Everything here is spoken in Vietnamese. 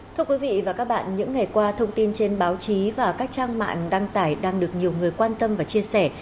thưa quý vị và các bạn những ngày qua thông tin trên báo chí và các trang mạng đăng tải đang được nhiều người quan tâm và chia sẻ